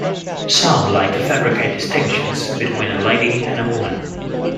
Some like to fabricate distinctions between a lady and a woman.